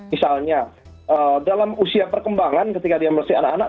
misalnya dalam usia perkembangan ketika dia meleset anak anak